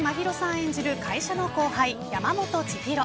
演じる会社の後輩、山本知博。